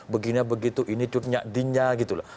begini begitu ini curnyak dinnya gitu loh